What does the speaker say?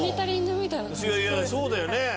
そうだよね！